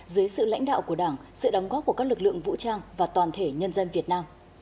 dưới sự lãnh đạo của đảng sự đóng góp của các lực lượng vũ trang và toàn thể nhân dân việt nam